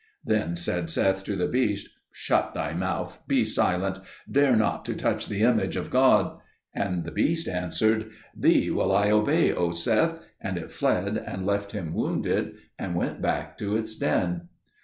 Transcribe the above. Then said Seth to the beast, "Shut thy mouth: be silent: dare not to touch the image of God." And the beast answered, "Thee will I obey, O Seth." And it fled and left him wounded, and went back to its den.